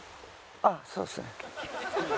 ああそうですね。